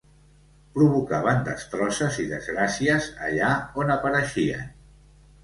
Provocaven destrosses i desgràcies allà on apareixien.